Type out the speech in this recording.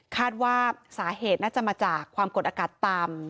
คาดว่าสาเหตุน่าจะมาจากความกดอากาศต่ำ